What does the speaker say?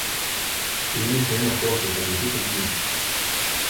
που είναι συνένοχος του, θα τη βρεις εκεί.